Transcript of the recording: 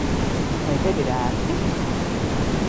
Vai tev ir ērti?